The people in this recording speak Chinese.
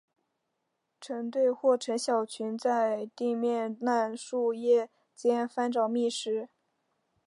成对或成小群在地面烂树叶间翻找觅食。